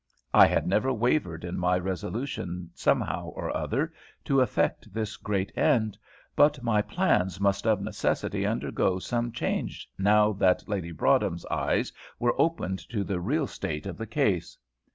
I had never wavered in my resolution somehow or other to effect this great end, but my plans must of necessity undergo some change now that Lady Broadhem's eyes were opened to the real state of the case.